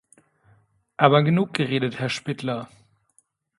Aber genug geredet, Herr Špidla.